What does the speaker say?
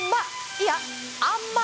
いや、あっま！